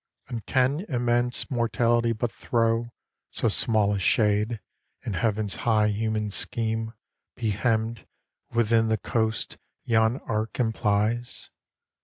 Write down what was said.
And can immense Mortality but throw So small a shade, and Heaven's high human scheme Be hemmed within the coasts yon arc implies?